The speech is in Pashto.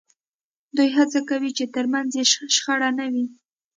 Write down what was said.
دوی هڅه کوي چې ترمنځ یې شخړه نه وي